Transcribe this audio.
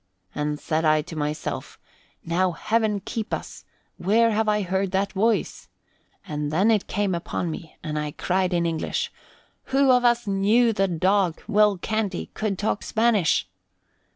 And said I to myself, 'Now Heaven keep us! Where have I heard that voice?' And then it came upon me and I cried in English, 'Who of us knew the dog, Will Canty, could talk Spanish?'